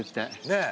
ねえ。